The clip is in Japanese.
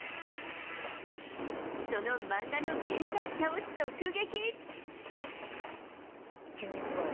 その漫画の原作者を直撃！